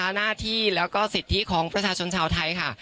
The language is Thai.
หน้าที่แล้วก็สิทธิของประชาชนชาวไทยค่ะ